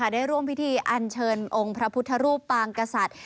ได้ร่วมพิธีอันเชิญองค์พระพุทธรูปปางกษัตริย์